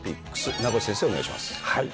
名越先生、お願いします。